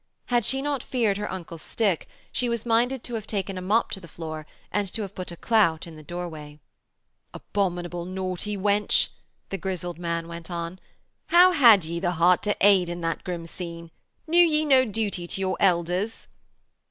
Had she not feared her uncle's stick, she was minded to have taken a mop to the floor and to have put a clout in the doorway. 'Abominable naughty wench,' the grizzled man went on. 'How had ye the heart to aid in that grim scene? Knew ye no duty to your elders?'